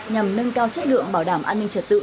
nhằm nâng cao chất lượng bảo đảm an ninh trật tự